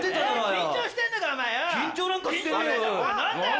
緊張してんだろ何だよ！